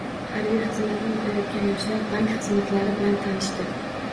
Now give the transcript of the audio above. Harbiy xizmatni o‘tayotgan yoshlar bank xizmatlari bilan tanishdi